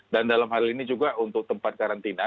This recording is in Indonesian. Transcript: dan dalam hal ini juga untuk tempat karantina